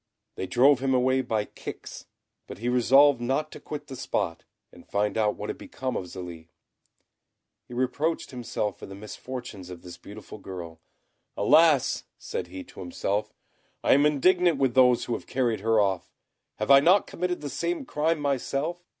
They drove him away by kicks; but he resolved not to quit the spot, and find out what had become of Zélie. He reproached himself for the misfortunes of this beautiful girl. "Alas!" said he to himself, "I am indignant with those who have carried her off. Have I not committed the same crime myself?